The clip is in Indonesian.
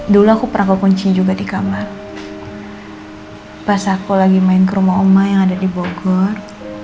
dulu aku pernah ke kunci juga di kamar pas aku lagi main ke rumah oma yang ada di bogor